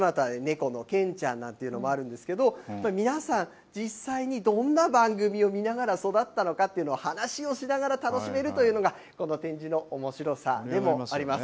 このてんちゃんなんていうのもあるんですけど、皆さん、実際にどんな番組を見ながら育ったのかというのを、話をしながら楽しめるというのが、この展示のおもしろさでもあります。